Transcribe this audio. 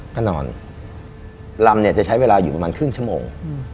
คำจะใช้เวลาอยู่ประมาณครึ่งชั่วโมง